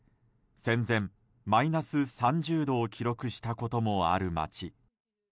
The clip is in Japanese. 戦前、マイナス３０度を記録したこともある町。